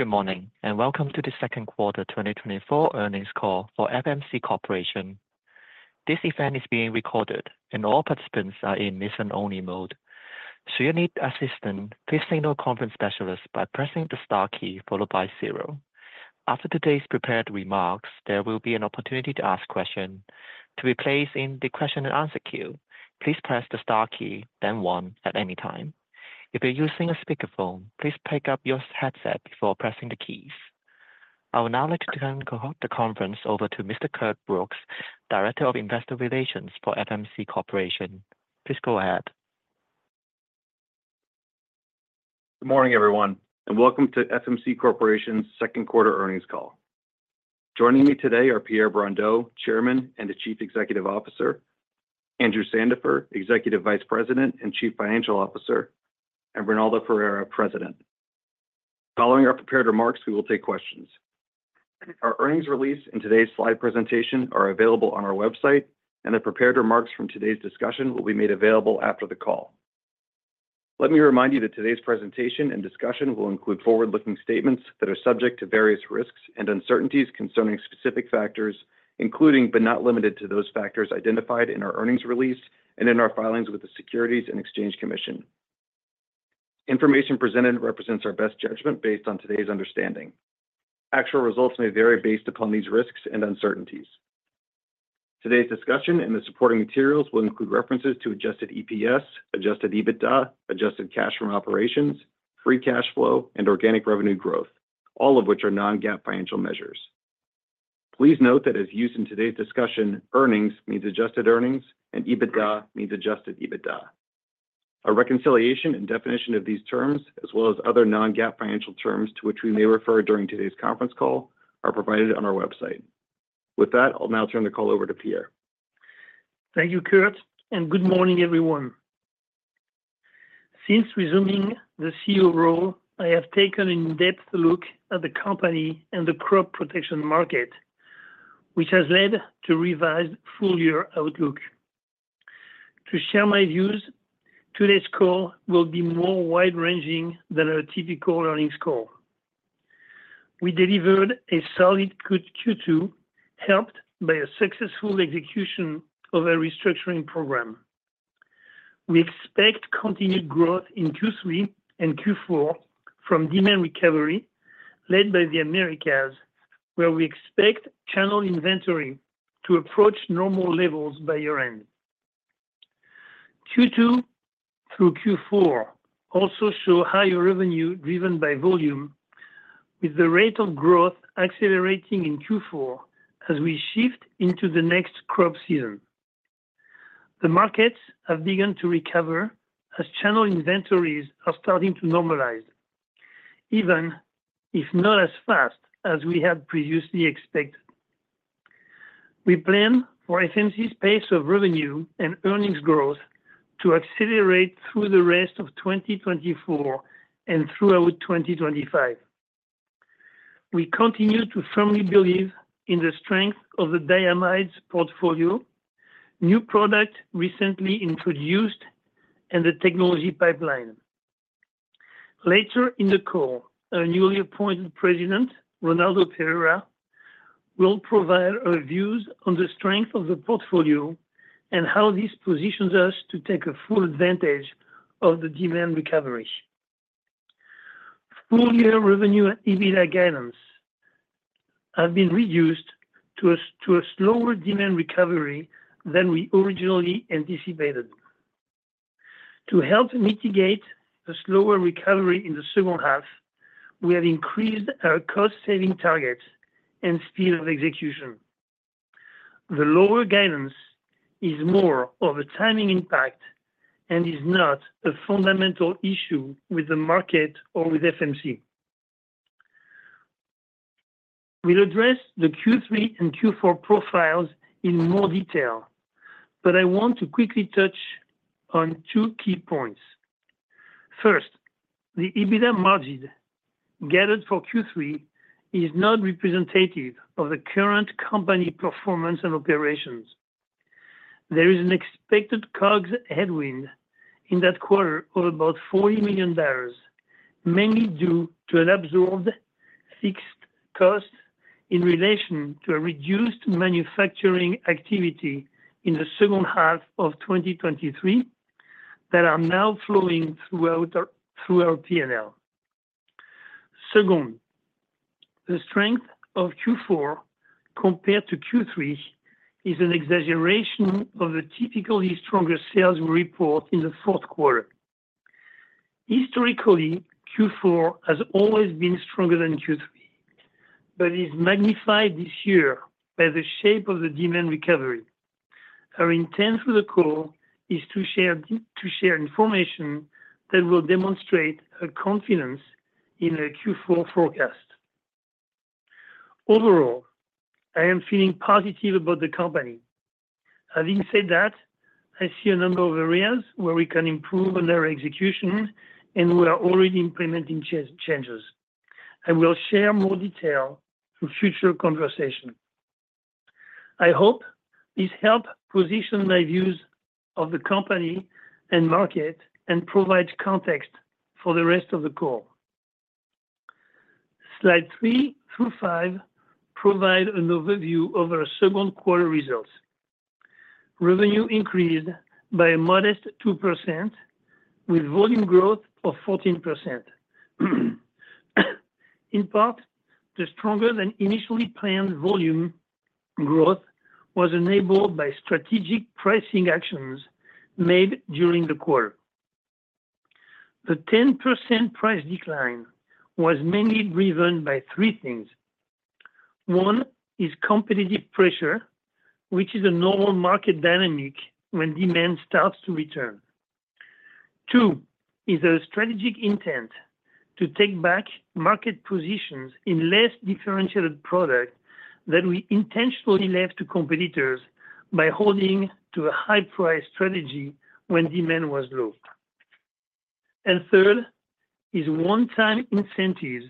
Good morning, and welcome to the second quarter 2024 earnings call for FMC Corporation. This event is being recorded, and all participants are in listen-only mode. Should you need assistance, please signal a conference specialist by pressing the star key followed by zero. After today's prepared remarks, there will be an opportunity to ask questions. To be placed in the question-and-answer queue, please press the star key, then one at any time. If you're using a speakerphone, please pick up your headset before pressing the keys. I would now like to turn the conference over to Mr. Curt Brooks, Director of Investor Relations for FMC Corporation. Please go ahead. Good morning, everyone, and welcome to FMC Corporation's second quarter earnings call. Joining me today are Pierre Brondeau, Chairman and Chief Executive Officer; Andrew Sandifer, Executive Vice President and Chief Financial Officer; and Ronaldo Perreira, President. Following our prepared remarks, we will take questions. Our earnings release and today's slide presentation are available on our website, and the prepared remarks from today's discussion will be made available after the call. Let me remind you that today's presentation and discussion will include forward-looking statements that are subject to various risks and uncertainties concerning specific factors, including, but not limited to, those factors identified in our earnings release and in our filings with the Securities and Exchange Commission. Information presented represents our best judgment based on today's understanding. Actual results may vary based upon these risks and uncertainties. Today's discussion and the supporting materials will include references to adjusted EPS, adjusted EBITDA, adjusted cash from operations, free cash flow, and organic revenue growth, all of which are Non-GAAP financial measures. Please note that as used in today's discussion, earnings means adjusted earnings and EBITDA means adjusted EBITDA. A reconciliation and definition of these terms, as well as other Non-GAAP financial terms to which we may refer during today's conference call, are provided on our website. With that, I'll now turn the call over to Pierre. Thank you, Kurt, and good morning, everyone. Since resuming the CEO role, I have taken an in-depth look at the company and the crop protection market, which has led to revised full-year outlook. To share my views, today's call will be more wide-ranging than our typical earnings call. We delivered a solid, good Q2, helped by a successful execution of a restructuring program. We expect continued growth in Q3 and Q4 from demand recovery led by the Americas, where we expect channel inventory to approach normal levels by year-end. Q2 through Q4 also show higher revenue driven by volume, with the rate of growth accelerating in Q4 as we shift into the next crop season. The markets have begun to recover as channel inventories are starting to normalize, even if not as fast as we had previously expected. We plan for FMC's pace of revenue and earnings growth to accelerate through the rest of 2024 and throughout 2025. We continue to firmly believe in the strength of the Diamide portfolio, new product recently introduced, and the technology pipeline. Later in the call, our newly appointed President, Ronaldo Perreira, will provide our views on the strength of the portfolio and how this positions us to take a full advantage of the demand recovery. Full-year revenue and EBITDA guidance have been reduced to a slower demand recovery than we originally anticipated. To help mitigate the slower recovery in the second half, we have increased our cost-saving targets and speed of execution. The lower guidance is more of a timing impact and is not a fundamental issue with the market or with FMC. We'll address the Q3 and Q4 profiles in more detail, but I want to quickly touch on two key points. First, the EBITDA margin guided for Q3 is not representative of the current company performance and operations. There is an expected COGS headwind in that quarter of about $40 million, mainly due to an absorbed fixed cost in relation to a reduced manufacturing activity in the second half of 2023 that are now flowing throughout our, through our P&L. Second, the strength of Q4 compared to Q3 is an exaggeration of the typically stronger sales we report in the fourth quarter. Historically, Q4 has always been stronger than Q3, but is magnified this year by the shape of the demand recovery. Our intent for the call is to share, to share information that will demonstrate our confidence in our Q4 forecast. Overall, I am feeling positive about the company. Having said that, I see a number of areas where we can improve on our execution, and we are already implementing changes. I will share more detail through future conversation.... I hope this helped position my views of the company and market and provides context for the rest of the call. Slides 3 through 5 provide an overview of our second quarter results. Revenue increased by a modest 2%, with volume growth of 14%. In part, the stronger than initially planned volume growth was enabled by strategic pricing actions made during the quarter. The 10% price decline was mainly driven by three things. One is competitive pressure, which is a normal market dynamic when demand starts to return. Two, is a strategic intent to take back market positions in less differentiated product that we intentionally left to competitors by holding to a high price strategy when demand was low. And third, is one-time incentives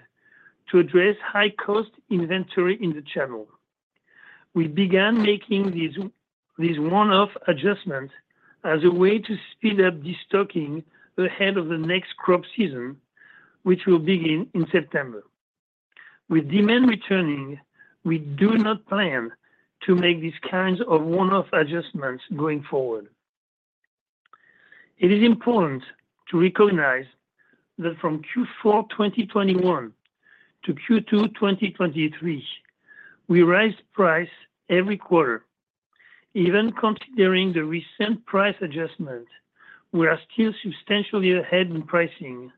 to address high-cost inventory in the channel. We began making these one-off adjustments as a way to speed up destocking ahead of the next crop season, which will begin in September. With demand returning, we do not plan to make these kinds of one-off adjustments going forward. It is important to recognize that from Q4 2021 to Q2 2023, we raised price every quarter. Even considering the recent price adjustment, we are still substantially ahead in pricing.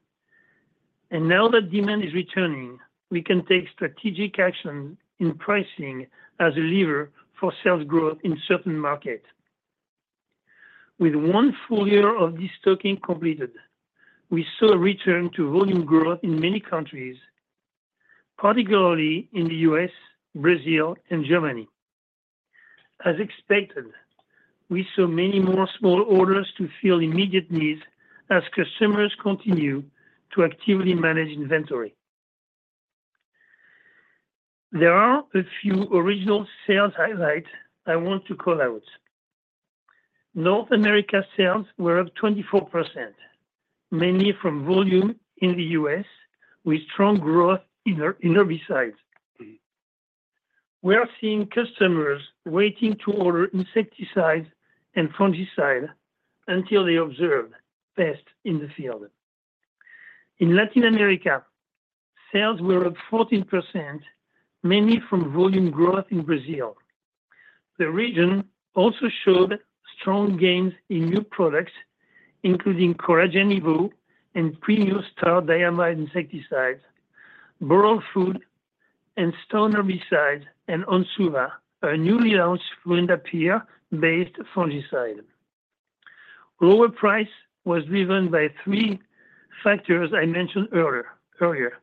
And now that demand is returning, we can take strategic action in pricing as a lever for sales growth in certain markets. With one full year of destocking completed, we saw a return to volume growth in many countries, particularly in the U.S., Brazil, and Germany. As expected, we saw many more small orders to fill immediate needs as customers continue to actively manage inventory. There are a few regional sales highlights I want to call out. North America sales were up 24%, mainly from volume in the U.S., with strong growth in herbicides. We are seeing customers waiting to order insecticides and fungicides until they observe pests in the field. In Latin America, sales were up 14%, mainly from volume growth in Brazil. The region also showed strong gains in new products, including Coragen Evo and our premium diamide insecticides, Boral, and Stone herbicide, and Onsuva, our newly launched fluindapyr-based fungicide. Lower price was driven by three factors I mentioned earlier: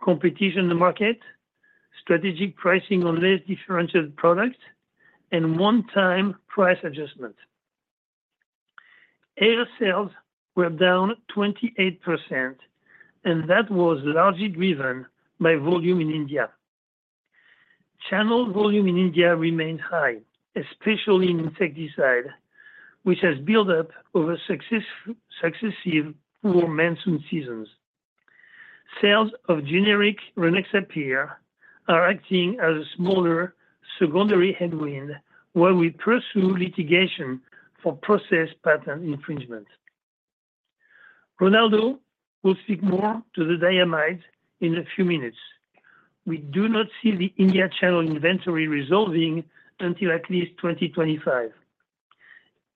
competition in the market, strategic pricing on less differentiated products, and one-time price adjustment. Asia sales were down 28%, and that was largely driven by volume in India. Channel volume in India remained high, especially in insecticide, which has built up over successive poor monsoon seasons. Sales of generic Rynaxypyr are acting as a smaller secondary headwind while we pursue litigation for process patent infringement. Ronaldo will speak more to the diamide in a few minutes. We do not see the India channel inventory resolving until at least 2025.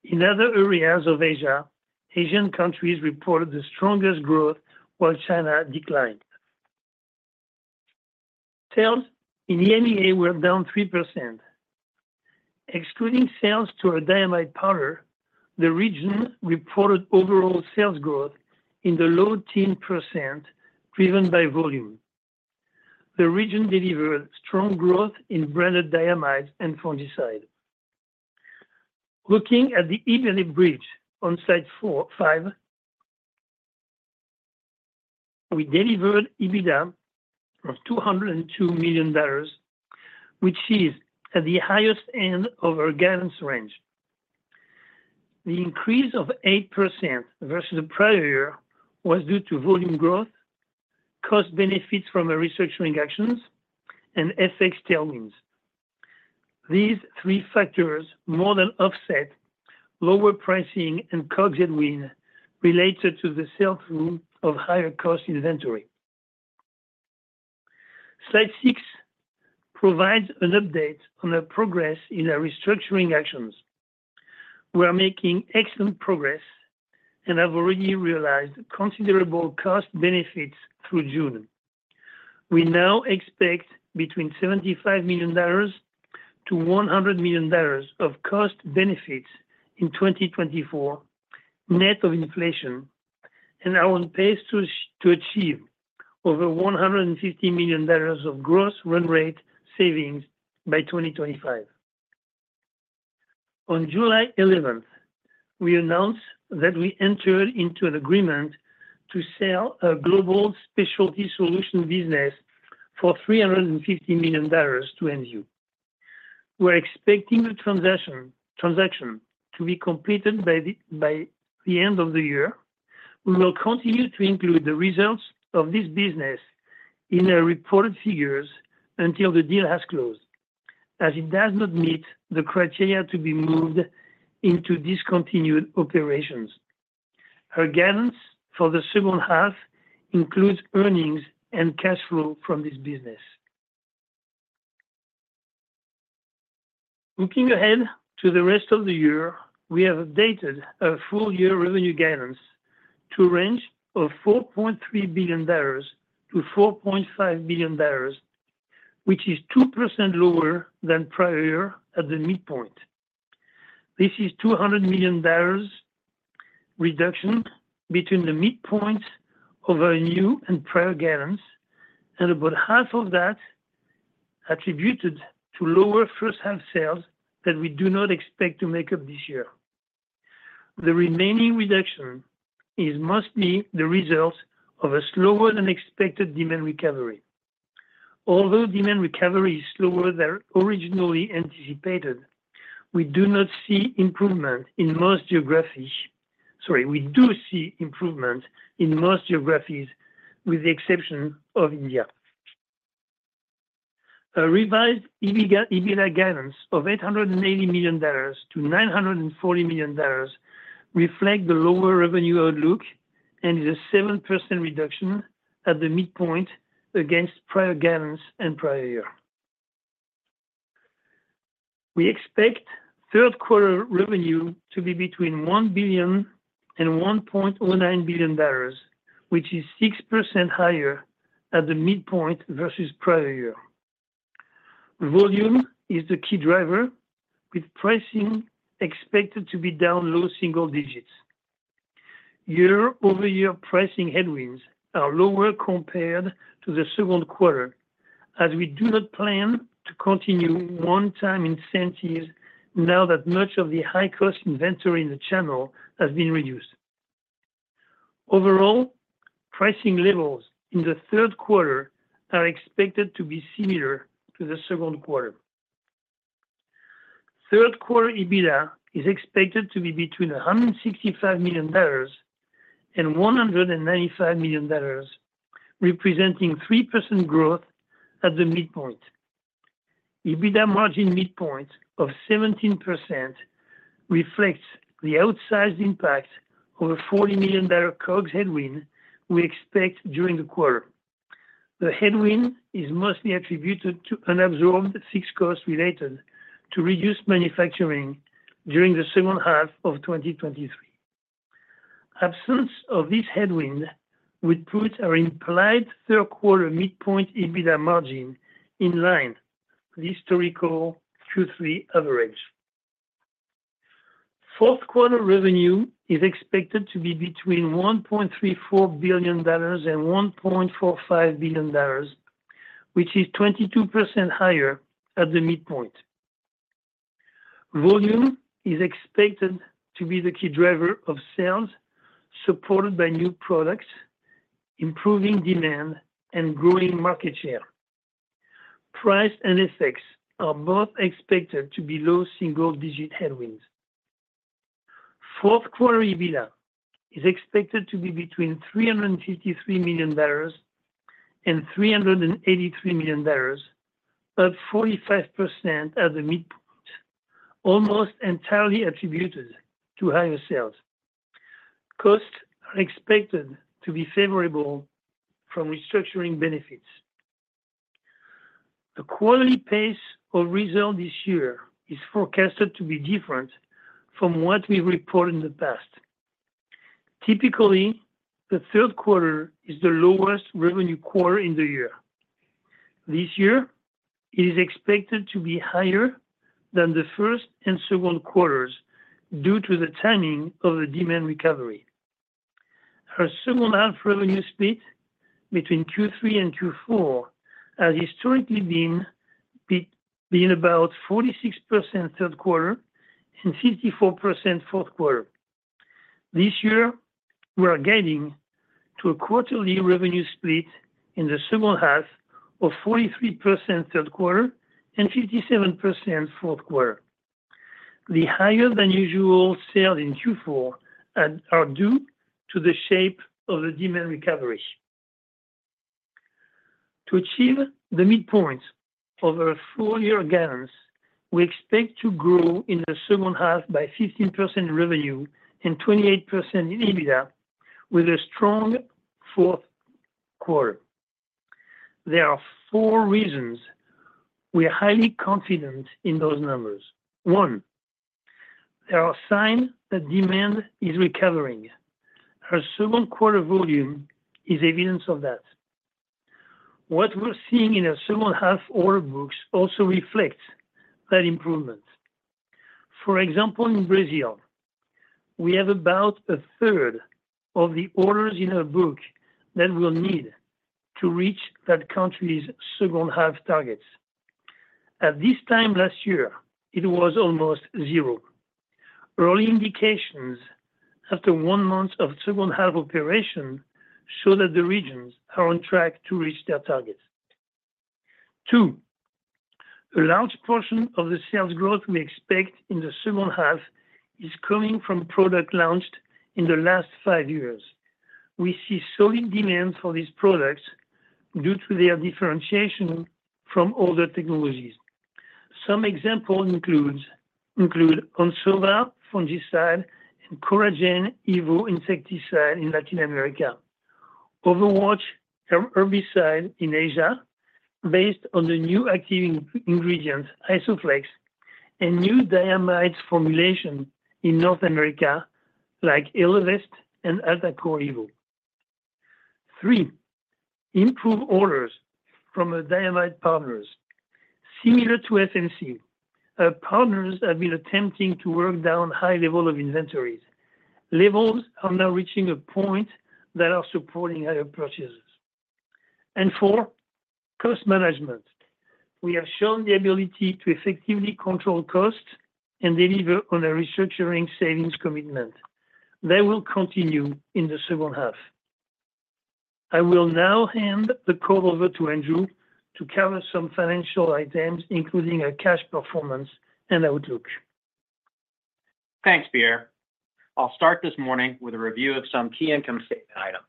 In other areas of Asia, Asian countries reported the strongest growth, while China declined. Sales in the EMEA were down 3%. Excluding sales to our diamide partner, the region reported overall sales growth in the low teens %, driven by volume. The region delivered strong growth in branded diamide and fungicide. Looking at the EBIT bridge on slide 4-5, we delivered EBITDA of $202 million, which is at the highest end of our guidance range. The increase of 8% versus the prior year was due to volume growth, cost benefits from our restructuring actions, and FX tailwinds. These three factors more than offset lower pricing and COGS headwind related to the sales through of higher cost inventory. Slide 6 provides an update on the progress in our restructuring actions. We are making excellent progress and have already realized considerable cost benefits through June. We now expect between $75 million-$100 million of cost benefits in 2024, net of inflation, and are on pace to achieve over $150 million of gross run rate savings by 2025. On July 11th, we announced that we entered into an agreement to sell a global specialty solutions business for $350 million to Envu. We're expecting the transaction to be completed by the end of the year. We will continue to include the results of this business in our reported figures until the deal has closed, as it does not meet the criteria to be moved into discontinued operations. Our guidance for the second half includes earnings and cash flow from this business. Looking ahead to the rest of the year, we have updated our full year revenue guidance to a range of $4.3 billion-$4.5 billion, which is 2% lower than prior year at the midpoint. This is $200 million reduction between the midpoint of our new and prior guidance, and about half of that attributed to lower first half sales that we do not expect to make up this year. The remaining reduction is mostly the result of a slower-than-expected demand recovery. Although demand recovery is slower than originally anticipated, we do not see improvement in most geographies. Sorry, we do see improvement in most geographies, with the exception of India. A revised EBITDA guidance of $880 million-$940 million reflects the lower revenue outlook and is a 7% reduction at the midpoint against prior guidance and prior year. We expect third quarter revenue to be between $1 billion and $1.09 billion, which is 6% higher at the midpoint versus prior year. Volume is the key driver, with pricing expected to be down low single digits. Year-over-year pricing headwinds are lower compared to the second quarter, as we do not plan to continue one-time incentives now that much of the high-cost inventory in the channel has been reduced. Overall, pricing levels in the third quarter are expected to be similar to the second quarter. Third quarter EBITDA is expected to be between $165 million and $195 million, representing 3% growth at the midpoint. EBITDA margin midpoint of 17% reflects the outsized impact of a $40 million COGS headwind we expect during the quarter. The headwind is mostly attributed to unabsorbed fixed costs related to reduced manufacturing during the second half of 2023. Absence of this headwind would put our implied third quarter midpoint EBITDA margin in line with historical Q3 average. Fourth quarter revenue is expected to be between $1.34 billion and $1.45 billion, which is 22% higher at the midpoint. Volume is expected to be the key driver of sales, supported by new products, improving demand, and growing market share. Price and FX are both expected to be low single-digit headwinds. Fourth quarter EBITDA is expected to be between $353 million and $383 million, up 45% at the midpoint, almost entirely attributed to higher sales. Costs are expected to be favorable from restructuring benefits. The quarterly pace or result this year is forecasted to be different from what we've reported in the past. Typically, the third quarter is the lowest revenue quarter in the year. This year, it is expected to be higher than the first and second quarters due to the timing of the demand recovery. Our second half revenue split between Q3 and Q4 has historically been about 46% third quarter and 54% fourth quarter. This year, we are guiding to a quarterly revenue split in the second half of 43% third quarter and 57% fourth quarter. The higher-than-usual sales in Q4 are due to the shape of the demand recovery. To achieve the midpoints of our full year guidance, we expect to grow in the second half by 15% revenue and 28% in EBITDA, with a strong fourth quarter. There are four reasons we are highly confident in those numbers. One, there are signs that demand is recovering. Our second quarter volume is evidence of that. What we're seeing in our second half order books also reflects that improvement. For example, in Brazil. We have about a third of the orders in our book that we'll need to reach that country's second half targets. At this time last year, it was almost zero. Early indications after one month of second half operation show that the regions are on track to reach their targets. Two, a large portion of the sales growth we expect in the second half is coming from products launched in the last five years. We see solid demand for these products due to their differentiation from older technologies. Some examples include Conserva fungicide and Coragen Evo insecticide in Latin America, Overwatch herbicide in Asia, based on the new active ingredient Isoflex, and new diamide formulation in North America, like Elevest and Altacor Evo. Three, improved orders from our diamide partners. Similar to FMC, our partners have been attempting to work down high level of inventories. Levels are now reaching a point that are supporting higher purchases. Four, cost management. We have shown the ability to effectively control costs and deliver on a restructuring savings commitment. They will continue in the second half. I will now hand the call over to Andrew to cover some financial items, including our cash performance and outlook. Thanks, Pierre. I'll start this morning with a review of some key income statement items.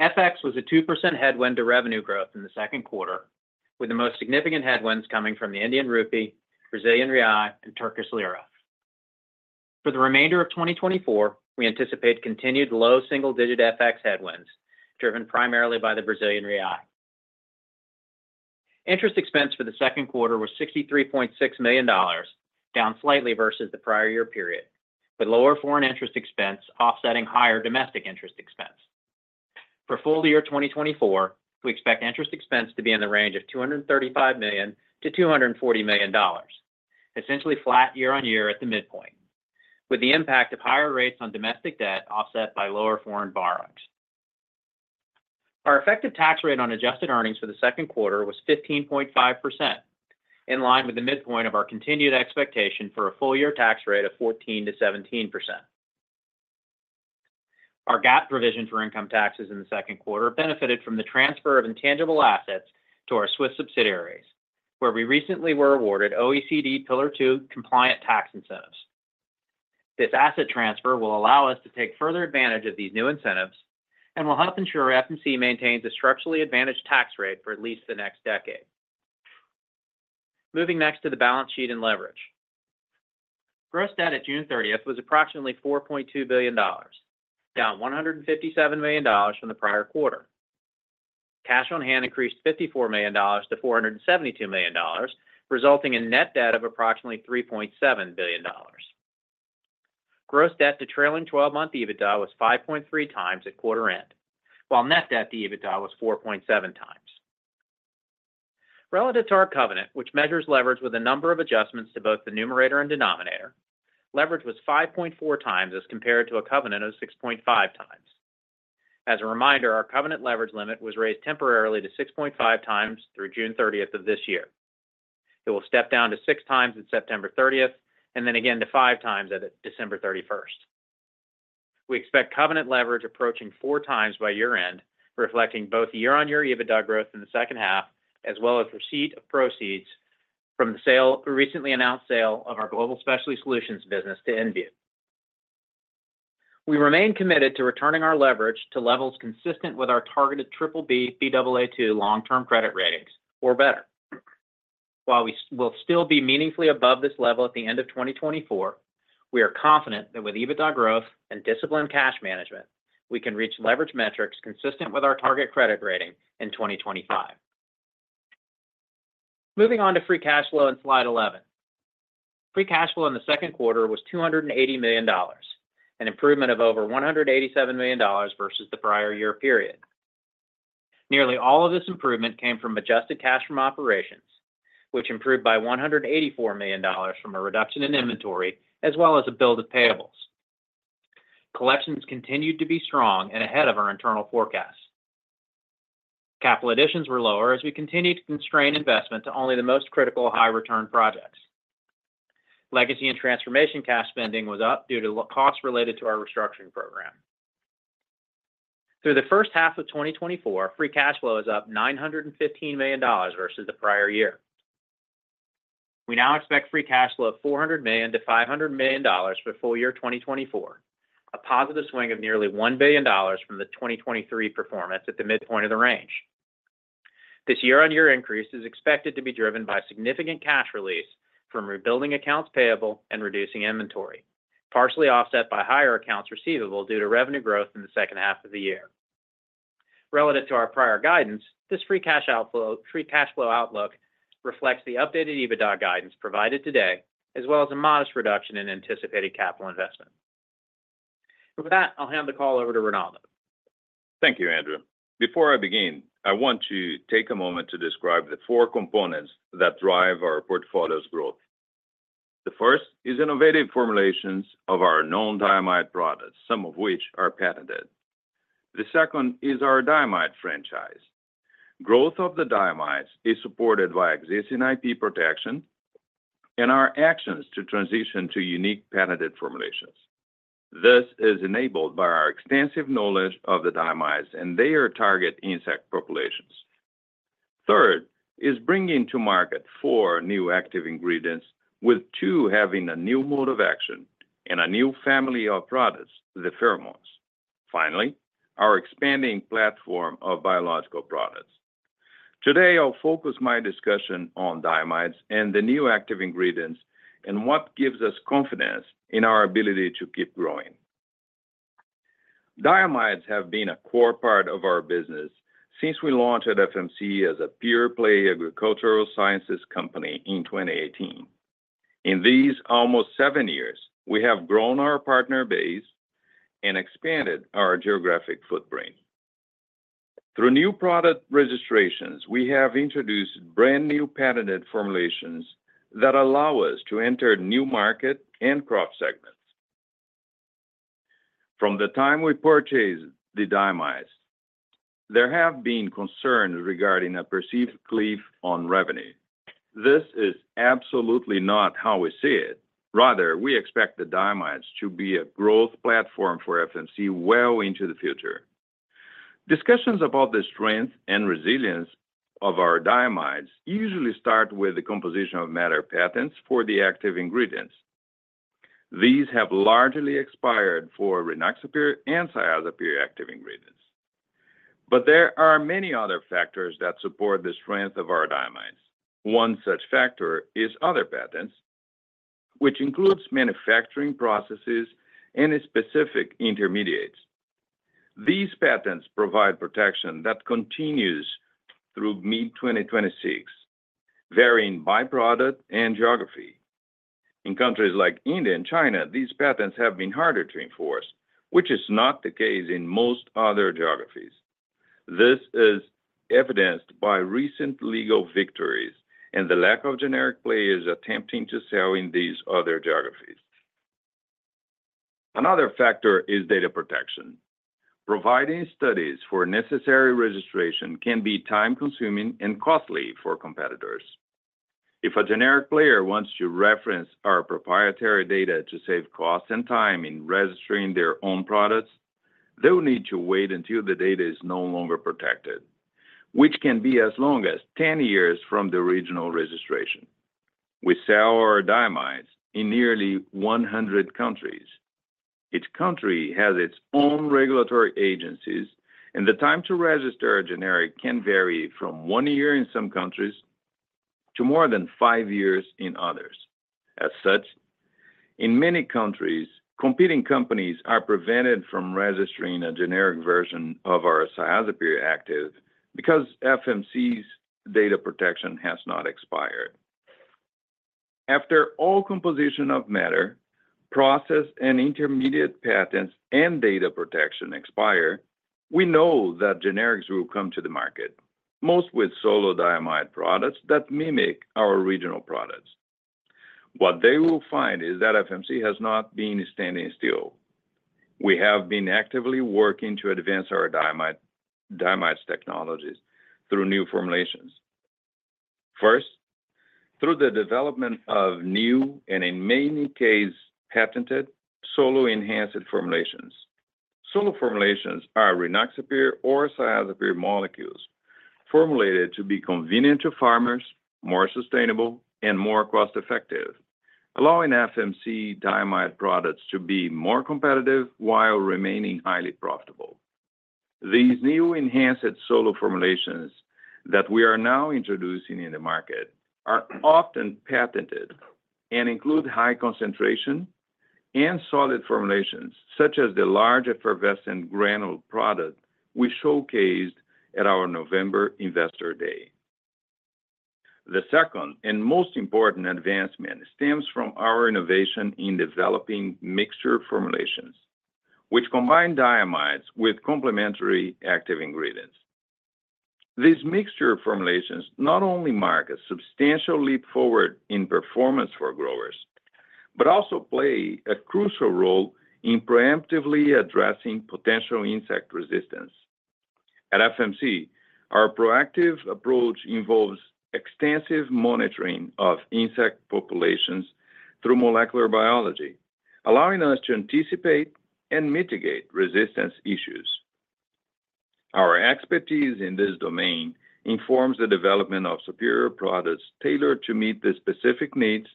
FX was a 2% headwind to revenue growth in the second quarter, with the most significant headwinds coming from the Indian rupee, Brazilian real, and Turkish lira. For the remainder of 2024, we anticipate continued low single-digit FX headwinds, driven primarily by the Brazilian real. Interest expense for the second quarter was $63.6 million, down slightly versus the prior year period, with lower foreign interest expense offsetting higher domestic interest expense. For full year 2024, we expect interest expense to be in the range of $235 million-$240 million, essentially flat year on year at the midpoint, with the impact of higher rates on domestic debt offset by lower foreign borrowings. Our effective tax rate on adjusted earnings for the second quarter was 15.5%, in line with the midpoint of our continued expectation for a full year tax rate of 14%-17%. Our GAAP provision for income taxes in the second quarter benefited from the transfer of intangible assets to our Swiss subsidiaries, where we recently were awarded OECD Pillar Two compliant tax incentives. This asset transfer will allow us to take further advantage of these new incentives and will help ensure FMC maintains a structurally advantaged tax rate for at least the next decade. Moving next to the balance sheet and leverage. Gross debt at June 30 was approximately $4.2 billion, down $157 million from the prior quarter. Cash on hand increased $54 million to $472 million, resulting in net debt of approximately $3.7 billion. Gross debt to trailing twelve-month EBITDA was 5.3x at quarter end, while net debt to EBITDA was 4.7x. Relative to our covenant, which measures leverage with a number of adjustments to both the numerator and denominator, leverage was 5.4x as compared to a covenant of 6.5x. As a reminder, our covenant leverage limit was raised temporarily to 6.5x through June 30th of this year. It will step down to 6x in September 30th, and then again to 5x at December 31st. We expect covenant leverage approaching 4x by year-end, reflecting both year-on-year EBITDA growth in the second half, as well as receipt of proceeds from the sale, the recently announced sale of our global specialty solutions business to Envu. We remain committed to returning our leverage to levels consistent with our targeted triple B, Baa2 long-term credit ratings or better. While we will still be meaningfully above this level at the end of 2024, we are confident that with EBITDA growth and disciplined cash management, we can reach leverage metrics consistent with our target credit rating in 2025. Moving on to free cash flow in slide 11. Free cash flow in the second quarter was $280 million, an improvement of over $187 million versus the prior year period. Nearly all of this improvement came from adjusted cash from operations, which improved by $184 million from a reduction in inventory, as well as a buildup of payables. Collections continued to be strong and ahead of our internal forecasts. Capital additions were lower as we continued to constrain investment to only the most critical high return projects. Legacy and transformation cash spending was up due to costs related to our restructuring program. Through the first half of 2024, free cash flow is up $915 million versus the prior year. We now expect free cash flow of $400 million-$500 million for full year 2024, a positive swing of nearly $1 billion from the 2023 performance at the midpoint of the range. This year-over-year increase is expected to be driven by significant cash release from rebuilding accounts payable and reducing inventory, partially offset by higher accounts receivable due to revenue growth in the second half of the year. Relative to our prior guidance, this free cash outflow - free cash flow outlook reflects the updated EBITDA guidance provided today, as well as a modest reduction in anticipated capital investment.... With that, I'll hand the call over to Ronaldo. Thank you, Andrew. Before I begin, I want to take a moment to describe the four components that drive our portfolio's growth. The first is innovative formulations of our known diamide products, some of which are patented. The second is our diamide franchise. Growth of the diamides is supported by existing IP protection and our actions to transition to unique patented formulations. This is enabled by our extensive knowledge of the diamides and their target insect populations. Third, is bringing to market four new active ingredients, with two having a new mode of action and a new family of products, the pheromones. Finally, our expanding platform of biological products. Today, I'll focus my discussion on diamides and the new active ingredients, and what gives us confidence in our ability to keep growing. Diamides have been a core part of our business since we launched FMC as a pure-play agricultural sciences company in 2018. In these almost seven years, we have grown our partner base and expanded our geographic footprint. Through new product registrations, we have introduced brand-new patented formulations that allow us to enter new market and crop segments. From the time we purchased the diamides, there have been concerns regarding a perceived cliff on revenue. This is absolutely not how we see it. Rather, we expect the diamides to be a growth platform for FMC well into the future. Discussions about the strength and resilience of our diamides usually start with the composition of matter patents for the active ingredients. These have largely expired for rynaxypyr and cyazypyr active ingredients. But there are many other factors that support the strength of our diamides. One such factor is other patents, which includes manufacturing processes and specific intermediates. These patents provide protection that continues through mid-2026, varying by product and geography. In countries like India and China, these patents have been harder to enforce, which is not the case in most other geographies. This is evidenced by recent legal victories and the lack of generic players attempting to sell in these other geographies. Another factor is data protection. Providing studies for necessary registration can be time-consuming and costly for competitors. If a generic player wants to reference our proprietary data to save cost and time in registering their own products, they will need to wait until the data is no longer protected, which can be as long as 10 years from the original registration. We sell our diamides in nearly 100 countries. Each country has its own regulatory agencies, and the time to register a generic can vary from one year in some countries to more than five years in others. As such, in many countries, competing companies are prevented from registering a generic version of our cyazypyr active because FMC's data protection has not expired. After all composition of matter, process and intermediate patents and data protection expire, we know that generics will come to the market, most with solo diamide products that mimic our original products. What they will find is that FMC has not been standing still. We have been actively working to advance our diamide, diamides technologies through new formulations. First, through the development of new, and in many cases, patented solo-enhanced formulations. Solo formulations are rynaxypyr or cyazypyr molecules formulated to be convenient to farmers, more sustainable, and more cost-effective, allowing FMC diamide products to be more competitive while remaining highly profitable. These new enhanced solo formulations that we are now introducing in the market are often patented and include high concentration and solid formulations, such as the large effervescent granule product we showcased at our November Investor Day. The second and most important advancement stems from our innovation in developing mixture formulations, which combine diamides with complementary active ingredients. These mixture formulations not only mark a substantial leap forward in performance for growers, but also play a crucial role in preemptively addressing potential insect resistance. At FMC, our proactive approach involves extensive monitoring of insect populations through molecular biology, allowing us to anticipate and mitigate resistance issues. Our expertise in this domain informs the development of superior products tailored to meet the specific needs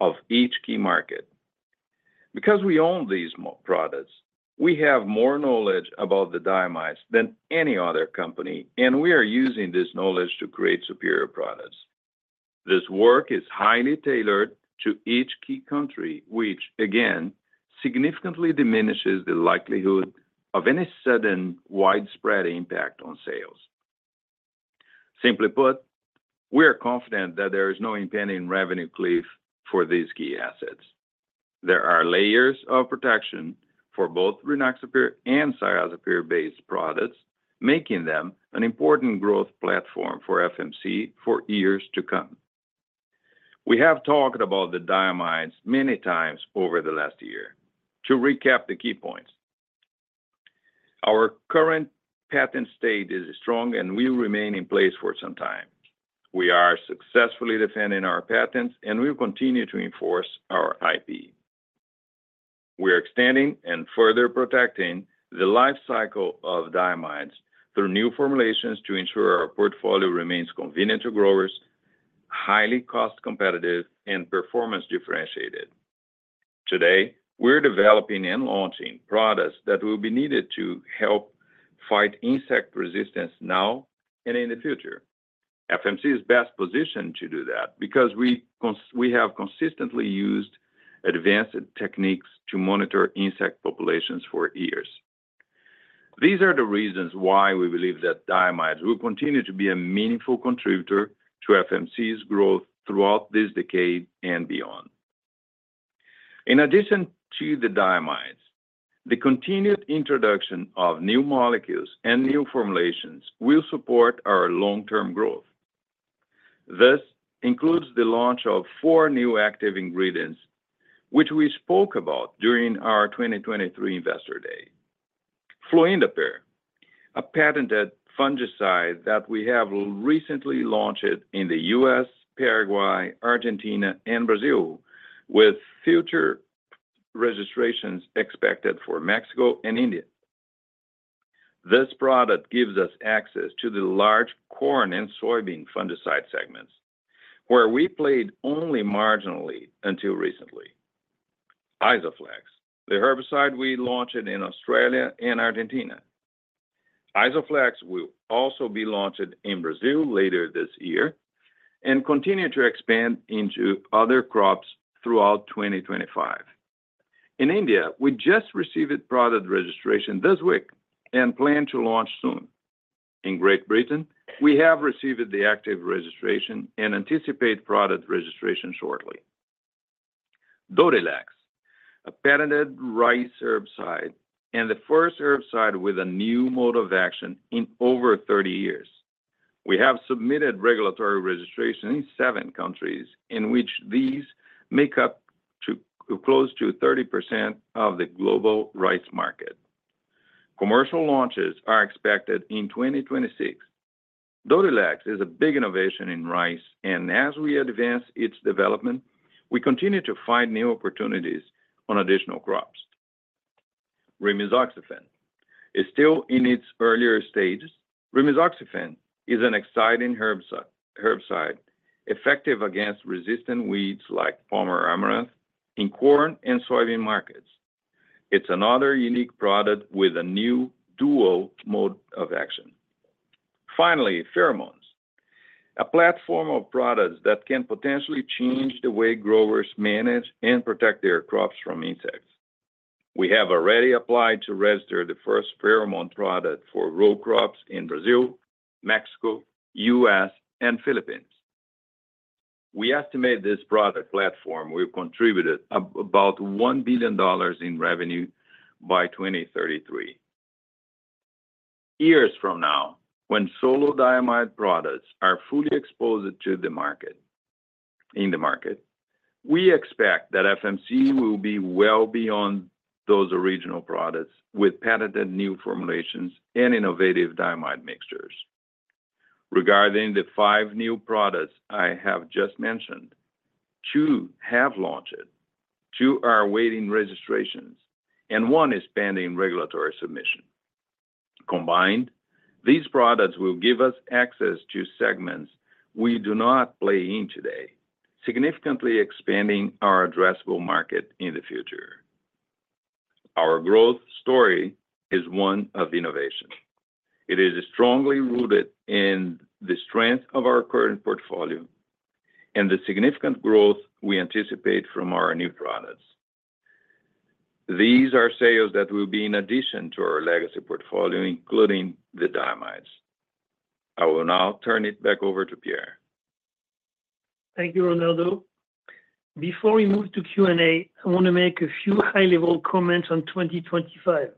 of each key market. Because we own these products, we have more knowledge about the diamides than any other company, and we are using this knowledge to create superior products. This work is highly tailored to each key country, which, again, significantly diminishes the likelihood of any sudden, widespread impact on sales. Simply put, we are confident that there is no impending revenue cliff for these key assets. There are layers of protection for both rynaxypyr and cyazypyr-based products, making them an important growth platform for FMC for years to come. We have talked about the diamides many times over the last year. To recap the key points: our current patent state is strong and will remain in place for some time. We are successfully defending our patents, and we will continue to enforce our IP. We are extending and further protecting the life cycle of diamides through new formulations to ensure our portfolio remains convenient to growers, highly cost-competitive, and performance-differentiated. Today, we're developing and launching products that will be needed to help fight insect resistance now and in the future. FMC is best positioned to do that because we have consistently used advanced techniques to monitor insect populations for years. These are the reasons why we believe that diamides will continue to be a meaningful contributor to FMC's growth throughout this decade and beyond. In addition to the diamides, the continued introduction of new molecules and new formulations will support our long-term growth. This includes the launch of four new active ingredients, which we spoke about during our 2023 Investor Day. Fluindapyr, a patented fungicide that we have recently launched in the U.S., Paraguay, Argentina, and Brazil, with future registrations expected for Mexico and India. This product gives us access to the large corn and soybean fungicide segments, where we played only marginally until recently. Isoflex, the herbicide we launched in Australia and Argentina. Isoflex will also be launched in Brazil later this year and continue to expand into other crops throughout 2025. In India, we just received product registration this week and plan to launch soon. In Great Britain, we have received the active registration and anticipate product registration shortly. Dodhylex, a patented rice herbicide and the first herbicide with a new mode of action in over 30 years. We have submitted regulatory registration in seven countries, in which these make up to close to 30% of the global rice market. Commercial launches are expected in 2026. Dodhylex is a big innovation in rice, and as we advance its development, we continue to find new opportunities on additional crops. Rimisoxifen is still in its earlier stages. Rimisoxafen is an exciting herbicide, effective against resistant weeds like Palmer amaranth in corn and soybean markets. It's another unique product with a new dual mode of action. Finally, pheromones, a platform of products that can potentially change the way growers manage and protect their crops from insects. We have already applied to register the first pheromone product for row crops in Brazil, Mexico, U.S., and Philippines. We estimate this product platform will contribute about $1 billion in revenue by 2033. Years from now, when solo diamide products are fully exposed to the market in the market, we expect that FMC will be well beyond those original products, with patented new formulations and innovative diamide mixtures. Regarding the five new products I have just mentioned, two have launched, two are awaiting registrations, and one is pending regulatory submission. Combined, these products will give us access to segments we do not play in today, significantly expanding our addressable market in the future. Our growth story is one of innovation. It is strongly rooted in the strength of our current portfolio and the significant growth we anticipate from our new products. These are sales that will be in addition to our legacy portfolio, including the diamides. I will now turn it back over to Pierre. Thank you, Ronaldo. Before we move to Q&A, I want to make a few high-level comments on 2025.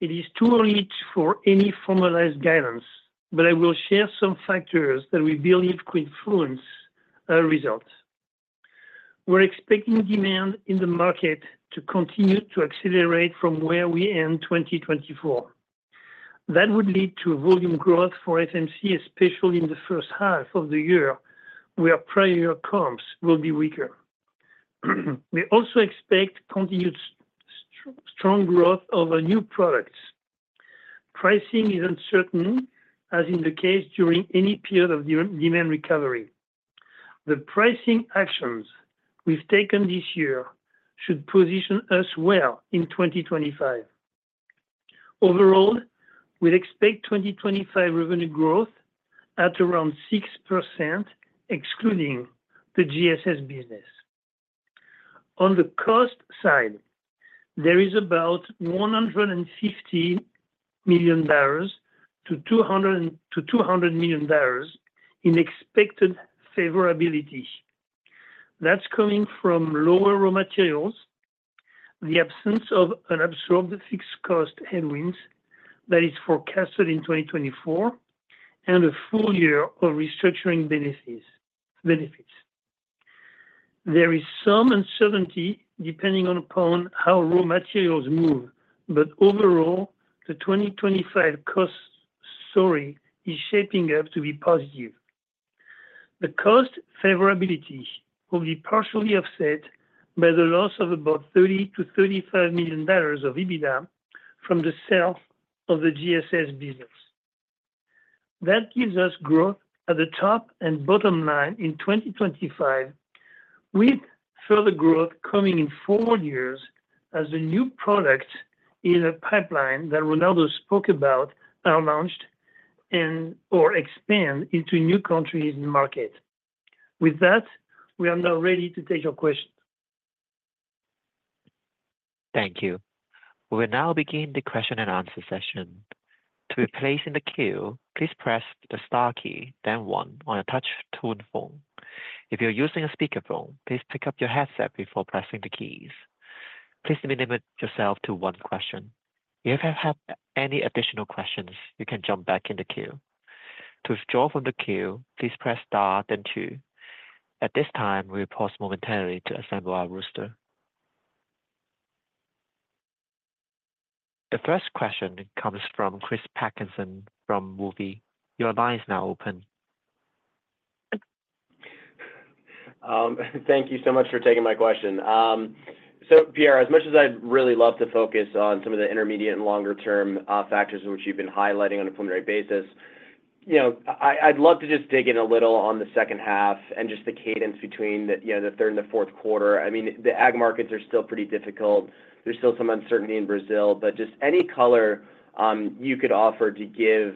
It is too early for any formalized guidance, but I will share some factors that we believe could influence our results. We're expecting demand in the market to continue to accelerate from where we end 2024. That would lead to volume growth for FMC, especially in the first half of the year, where prior comps will be weaker. We also expect continued strong growth of our new products. Pricing is uncertain, as in the case during any period of demand recovery. The pricing actions we've taken this year should position us well in 2025. Overall, we expect 2025 revenue growth at around 6%, excluding the GSS business. On the cost side, there is about $150 million-$200 million in expected favorability. That's coming from lower raw materials, the absence of an absorbed fixed cost headwinds that is forecasted in 2024, and a full year of restructuring benefits. There is some uncertainty depending upon how raw materials move, but overall, the 2025 cost story is shaping up to be positive. The cost favorability will be partially offset by the loss of about $30 million-$35 million of EBITDA from the sale of the GSS business. That gives us growth at the top and bottom line in 2025, with further growth coming in four years as the new product in a pipeline that Ronaldo spoke about are launched and/or expand into new countries and market. With that, we are now ready to take your questions. Thank you. We'll now begin the question and answer session. To replace in the queue, please press the star key, then one on a touch tone phone. If you're using a speakerphone, please pick up your headset before pressing the keys. Please limit yourself to one question. If you have any additional questions, you can jump back in the queue. To withdraw from the queue, please press star, then two. At this time, we pause momentarily to assemble our roster. The first question comes from Chris Parkinson from Wolfe. Your line is now open. Thank you so much for taking my question. So Pierre, as much as I'd really love to focus on some of the intermediate and longer-term factors in which you've been highlighting on a preliminary basis, you know, I, I'd love to just dig in a little on the second half and just the cadence between the, you know, the third and the fourth quarter. I mean, the ag markets are still pretty difficult. There's still some uncertainty in Brazil, but just any color you could offer to give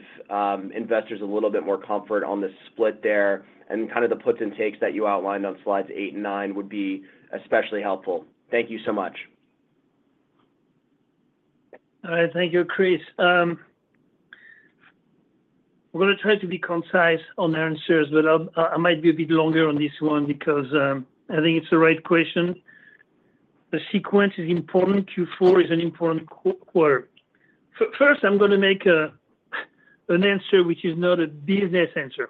investors a little bit more comfort on the split there and kind of the puts and takes that you outlined on slides 8 and 9 would be especially helpful. Thank you so much. All right. Thank you, Chris. I'm gonna try to be concise on the answers, but I might be a bit longer on this one because I think it's the right question. The sequence is important. Q4 is an important quarter. First, I'm gonna make an answer, which is not a business answer.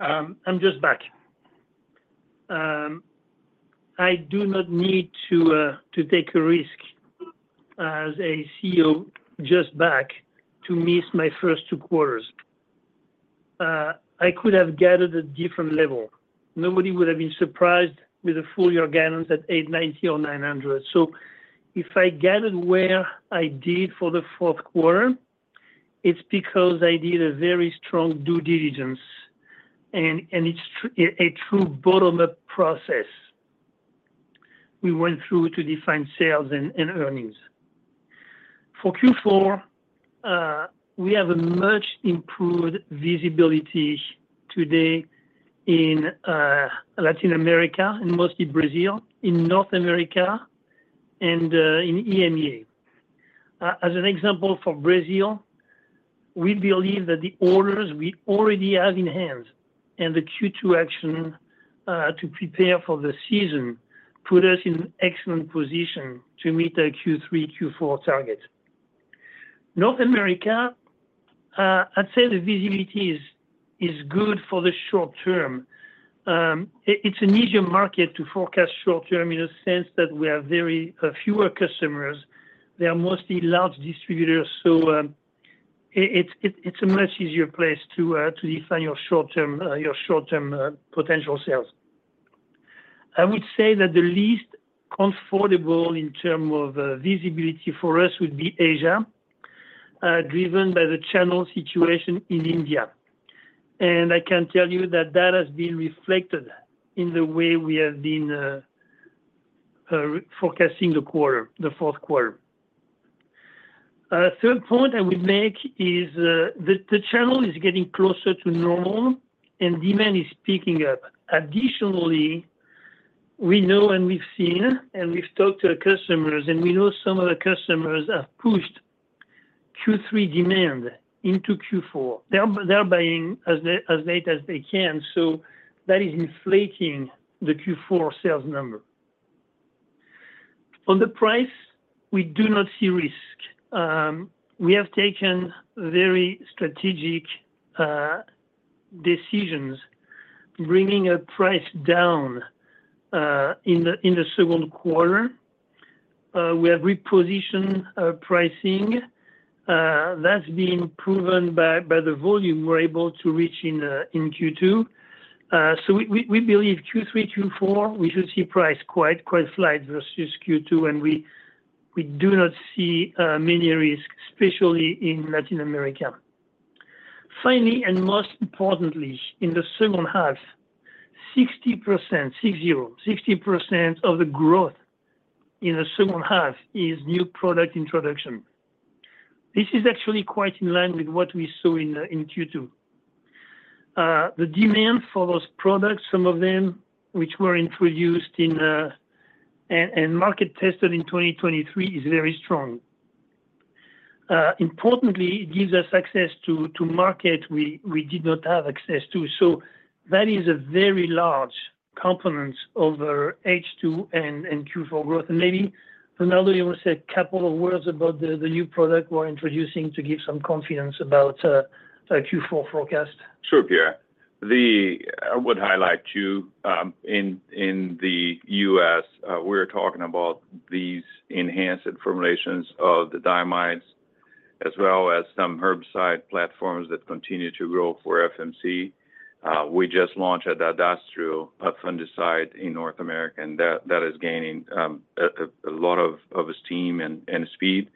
I'm just back. I do not need to take a risk as a CEO just back to miss my first two quarters. I could have guided a different level. Nobody would have been surprised with a full year guidance at $890 or $900. So if I guided where I did for the fourth quarter, it's because I did a very strong due diligence and it's a true bottom-up process we went through to define sales and earnings. For Q4, we have a much improved visibility today in Latin America, and mostly Brazil, in North America, and in EMEA. As an example, for Brazil, we believe that the orders we already have in hand and the Q2 action to prepare for the season put us in excellent position to meet the Q3, Q4 target. North America, I'd say the visibility is good for the short term. It's an easier market to forecast short term in a sense that we have very fewer customers. They are mostly large distributors, so it's a much easier place to define your short term potential sales. I would say that the least comfortable in terms of visibility for us would be Asia, driven by the channel situation in India. And I can tell you that that has been reflected in the way we have been forecasting the quarter, the fourth quarter. Third point I would make is, the channel is getting closer to normal and demand is picking up. Additionally, we know and we've seen, and we've talked to the customers, and we know some of the customers have pushed Q3 demand into Q4. They're buying as late as they can, so that is inflating the Q4 sales number. On the price, we do not see risk. We have taken very strategic decisions, bringing a price down in the second quarter. We have repositioned our pricing. That's been proven by the volume we're able to reach in Q2. So we believe Q3, Q4, we should see price quite slight versus Q2, and we do not see many risks, especially in Latin America. Finally, and most importantly, in the second half, 60%, 60% of the growth in the second half is new product introduction. This is actually quite in line with what we saw in Q2. The demand for those products, some of them which were introduced in and market-tested in 2023, is very strong. Importantly, it gives us access to market we did not have access to. So that is a very large component over H2 and Q4 growth. And maybe, Ronaldo, you want to say a couple of words about the new product we're introducing to give some confidence about Q4 forecast? Sure, Pierre. I would highlight too, in the U.S., we're talking about these enhanced formulations of the diamides, as well as some herbicide platforms that continue to grow for FMC. We just launched an industrial fungicide in North America, and that is gaining a lot of steam and speed.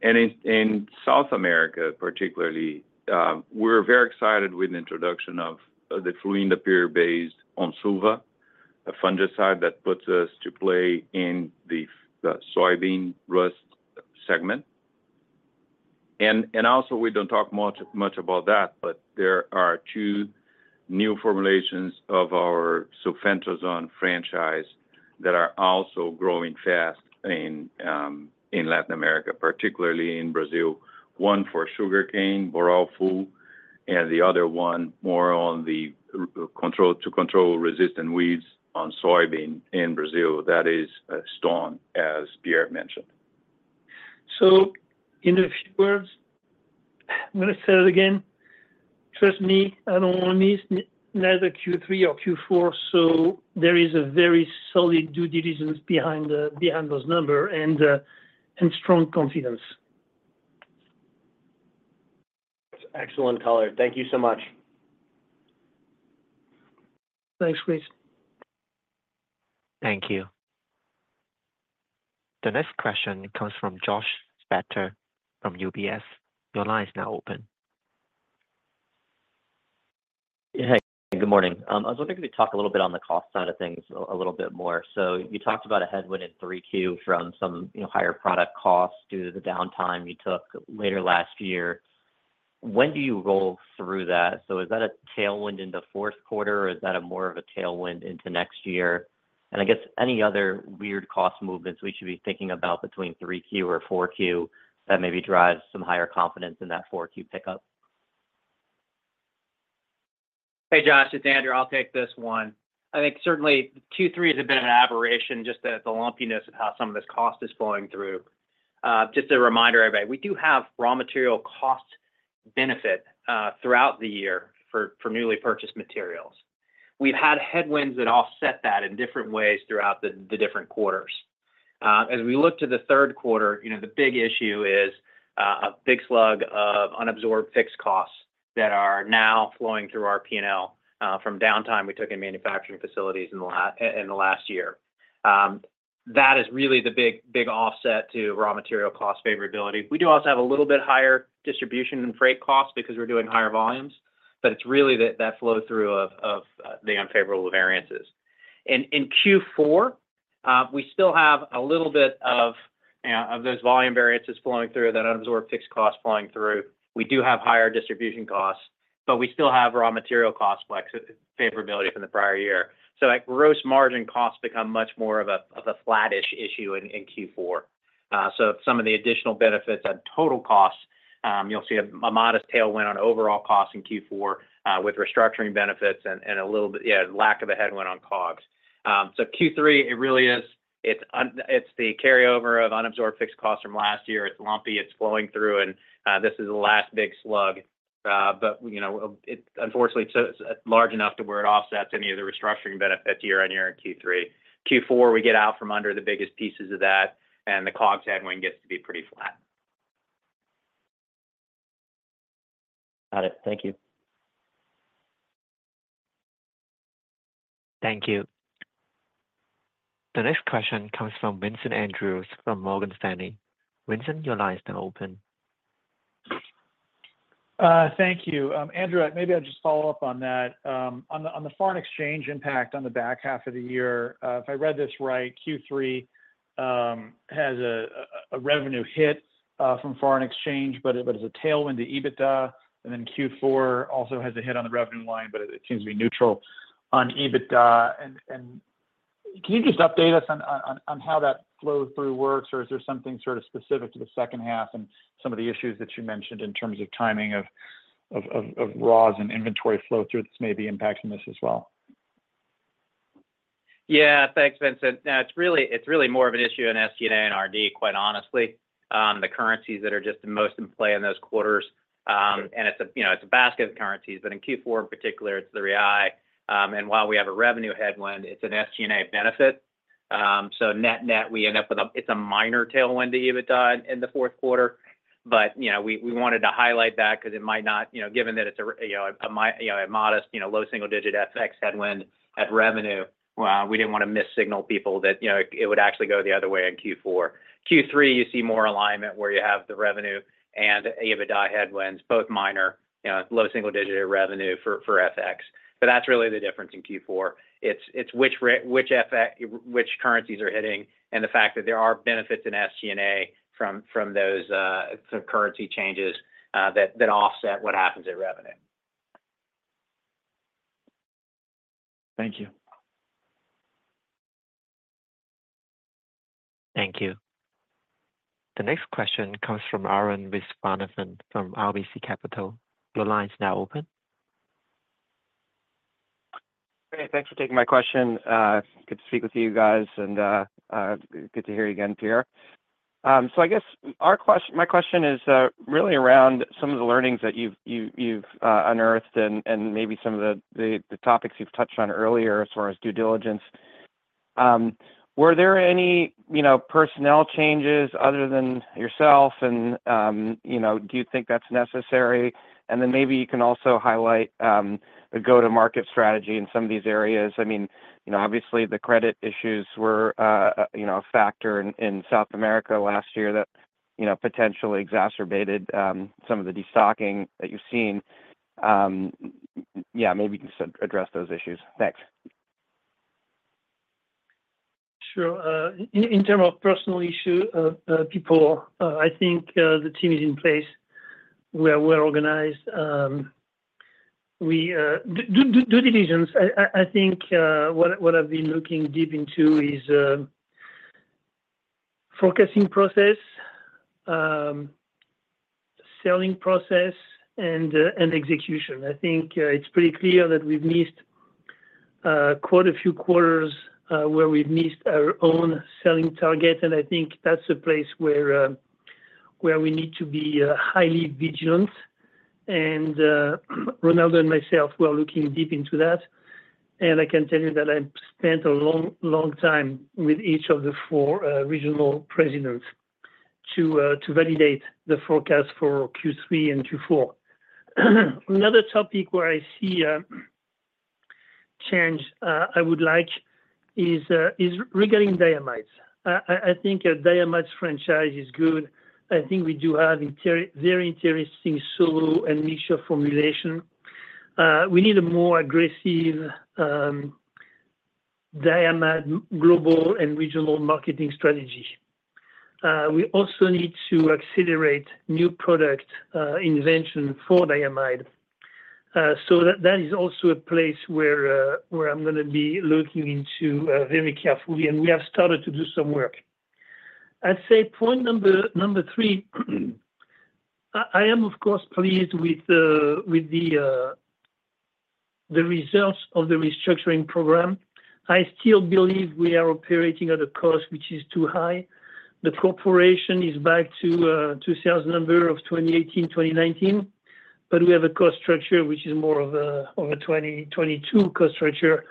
And in South America, particularly, we're very excited with the introduction of the fluindapyr-based Onsuva, a fungicide that puts us in play in the soybean rust segment. And also, we don't talk much about that, but there are two new formulations of our sulfentrazone franchise that are also growing fast in Latin America, particularly in Brazil. One for sugarcane, Boral Full, and the other one more on the control of resistant weeds on soybean in Brazil. That is, Stone, as Pierre mentioned. So in a few words, I'm going to say it again, trust me, I don't want to miss neither Q3 or Q4, so there is a very solid due diligence behind those number and strong confidence. Excellent color. Thank you so much. Thanks, Chris. Thank you. The next question comes from Josh Spector from UBS. Your line is now open. Hey, good morning. I was wondering if you could talk a little bit on the cost side of things a little bit more. So you talked about a headwind in Q3 from some, you know, higher product costs due to the downtime you took later last year. When do you roll through that? So is that a tailwind in the fourth quarter, or is that more of a tailwind into next year? And I guess any other weird cost movements we should be thinking about between Q3 or Q4 that maybe drives some higher confidence in that Q4 pickup? Hey, Josh, it's Andrew. I'll take this one. I think certainly Q3 has been an aberration, just the lumpiness of how some of this cost is flowing through. Just a reminder, everybody, we do have raw material cost benefit throughout the year for newly purchased materials. We've had headwinds that offset that in different ways throughout the different quarters. As we look to the third quarter, you know, the big issue is a big slug of unabsorbed fixed costs that are now flowing through our P&L from downtime we took in manufacturing facilities in the last year. That is really the big, big offset to raw material cost favorability. We do also have a little bit higher distribution and freight costs because we're doing higher volumes, but it's really that flow-through of the unfavorable variances. In Q4, we still have a little bit of those volume variances flowing through, that unabsorbed fixed costs flowing through. We do have higher distribution costs, but we still have raw material cost favorability from the prior year. So that gross margin costs become much more of a flattish issue in Q4. So some of the additional benefits on total costs, you'll see a modest tailwind on overall costs in Q4, with restructuring benefits and a little bit lack of a headwind on COGS. So Q3, it is the carryover of unabsorbed fixed costs from last year. It's lumpy, it's flowing through, and this is the last big slug. But, you know, it unfortunately, it's large enough to where it offsets any of the restructuring benefits year on year in Q3. Q4, we get out from under the biggest pieces of that, and the COGS headwind gets to be pretty flat. Got it. Thank you. Thank you. The next question comes from Vincent Andrews from Morgan Stanley. Vincent, your line is now open. Thank you. Andrew, maybe I'll just follow up on that. On the foreign exchange impact on the back half of the year, if I read this right, Q3 has a revenue hit from foreign exchange, but it's a tailwind to EBITDA, and then Q4 also has a hit on the revenue line, but it seems to be neutral on EBITDA. And can you just update us on how that flow-through works, or is there something sort of specific to the second half and some of the issues that you mentioned in terms of timing of raws and inventory flow-through that may be impacting this as well? Yeah, thanks, Vincent. It's really, it's really more of an issue in SG&A and RD, quite honestly, the currencies that are just the most in play in those quarters. Okay. and it's a, you know, it's a basket of currencies, but in Q4 in particular, it's the real. And while we have a revenue headwind, it's an SG&A benefit. So net-net, we end up with a... It's a minor tailwind to EBITDA in the fourth quarter, but, you know, we, we wanted to highlight that because it might not, you know, given that it's a modest, you know, low single-digit FX headwind at revenue, well, we didn't want to missignal people that, you know, it would actually go the other way in Q4. Q3, you see more alignment where you have the revenue and EBITDA headwinds, both minor, you know, low single digit revenue for FX. But that's really the difference in Q4. It's which currencies are hitting and the fact that there are benefits in SG&A from those sort of currency changes that offset what happens at revenue.... Thank you. Thank you. The next question comes from Arun Visvanathan from RBC Capital. Your line is now open. Great. Thanks for taking my question. Good to speak with you guys, and good to hear you again, Pierre. So I guess my question is really around some of the learnings that you've unearthed and maybe some of the topics you've touched on earlier as far as due diligence. Were there any, you know, personnel changes other than yourself? And you know, do you think that's necessary? And then maybe you can also highlight the go-to-market strategy in some of these areas. I mean, you know, obviously, the credit issues were a factor in South America last year that potentially exacerbated some of the destocking that you've seen. Yeah, maybe you can address those issues. Thanks. Sure. In terms of personnel issues, people, I think the team is in place. We are well organized. Due diligence, I think what I've been looking deep into is forecasting process, selling process, and execution. I think it's pretty clear that we've missed quite a few quarters where we've missed our own selling target, and I think that's a place where we need to be highly vigilant. And Ronaldo and myself, we are looking deep into that. And I can tell you that I've spent a long, long time with each of the four regional presidents to validate the forecast for Q3 and Q4. Another topic where I see a change I would like is regarding diamides. I think our diamides franchise is good. I think we do have very interesting solo and niche formulation. We need a more aggressive diamide global and regional marketing strategy. We also need to accelerate new product invention for diamide. So that is also a place where I'm gonna be looking into very carefully, and we have started to do some work. I'd say point number three, I am, of course, pleased with the results of the restructuring program. I still believe we are operating at a cost which is too high. The corporation is back to two sales number of 2018, 2019, but we have a cost structure which is more of a 2022 cost structure,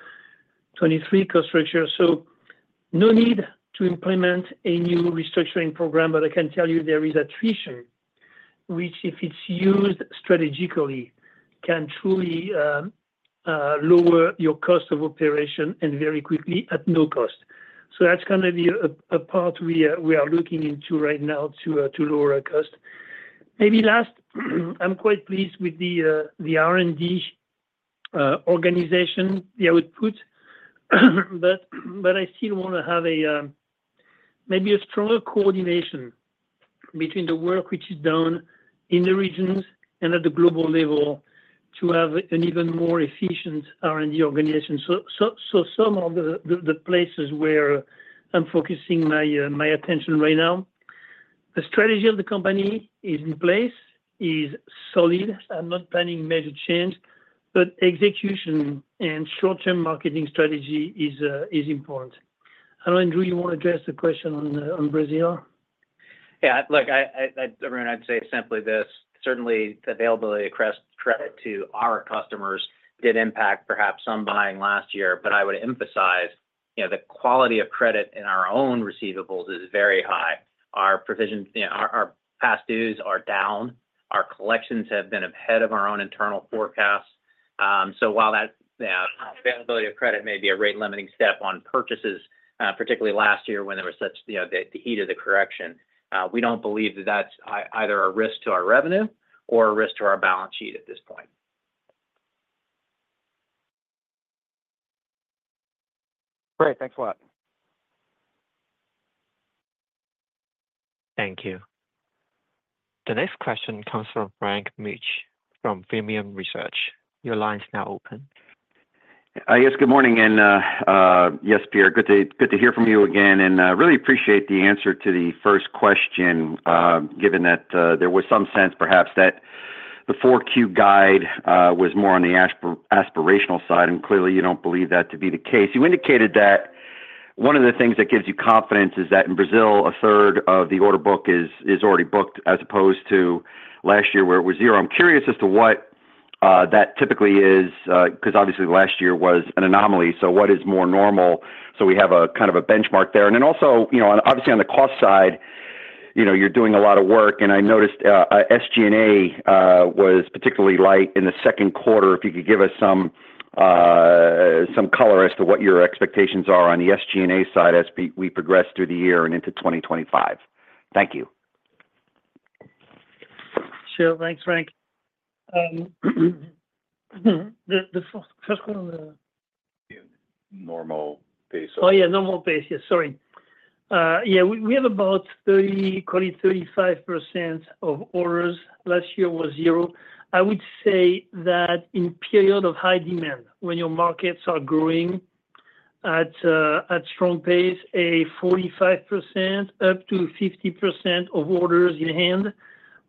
2023 cost structure. So no need to implement a new restructuring program, but I can tell you there is attrition, which, if it's used strategically, can truly lower your cost of operation and very quickly at no cost. So that's gonna be a part we are looking into right now to lower our cost. Maybe last, I'm quite pleased with the R&D organization, the output, but I still wanna have maybe a stronger coordination between the work which is done in the regions and at the global level to have an even more efficient R&D organization. So some of the places where I'm focusing my attention right now, the strategy of the company is in place, is solid. I'm not planning major change, but execution and short-term marketing strategy is important. I don't know, Andrew, you want to address the question on, on Brazil? Yeah, look, everyone, I'd say simply this: Certainly, the availability of credit to our customers did impact perhaps some buying last year, but I would emphasize, you know, the quality of credit in our own receivables is very high. Our provisions, you know, our past dues are down. Our collections have been ahead of our own internal forecasts. So while that availability of credit may be a rate-limiting step on purchases, particularly last year when there was such, you know, the heat of the correction, we don't believe that that's either a risk to our revenue or a risk to our balance sheet at this point. Great. Thanks a lot. Thank you. The next question comes from Frank Mitsch from Fermium Research. Your line is now open. Yes, good morning, and yes, Pierre, good to hear from you again, and really appreciate the answer to the first question, given that there was some sense perhaps that the Q4 guide was more on the aspirational side, and clearly, you don't believe that to be the case. You indicated that one of the things that gives you confidence is that in Brazil, a third of the order book is already booked, as opposed to last year, where it was zero. I'm curious as to what that typically is, 'cause obviously last year was an anomaly, so what is more normal? So we have a kind of a benchmark there. And then also, you know, on, obviously, on the cost side, you know, you're doing a lot of work, and I noticed, SG&A was particularly light in the second quarter. If you could give us some color as to what your expectations are on the SG&A side as we progress through the year and into 2025. Thank you. Sure. Thanks, Frank. The first one? The normal pace of- Oh, yeah, normal pace. Yes, sorry. Yeah, we have about 30, call it 35% of orders. Last year was 0. I would say that in period of high demand, when your markets are growing at a strong pace, a 45% up to 50% of orders in hand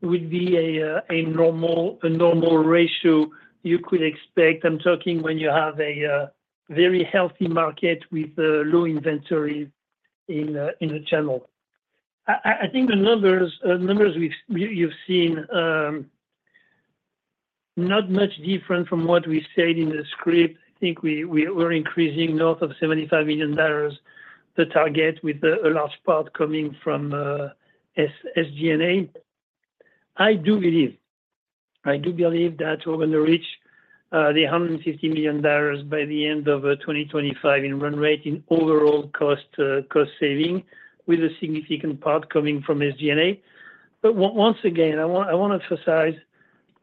would be a normal ratio you could expect. I'm talking when you have a very healthy market with low inventory in the channel. I think the numbers you've seen are not much different from what we said in the script. I think we're increasing north of $75 million, the target with a large part coming from SG&A. I do believe, I do believe that we're gonna reach the $150 million by the end of 2025 in run rate in overall cost cost saving, with a significant part coming from SG&A. But once again, I want, I want to emphasize